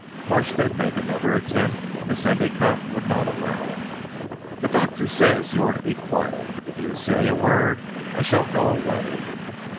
Marsh did make another attempt but Miss Endicotte would not allow it. "The doctor says you are to be quiet. If you say a word I shall go away."